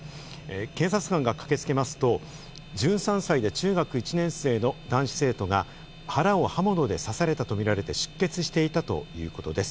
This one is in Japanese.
警察官が駆けつけますと１３歳で中学１年生の男子生徒が腹を刃物で刺されたとみられ、出血していたということです。